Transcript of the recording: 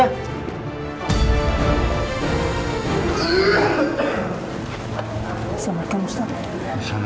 selamat malam ustadz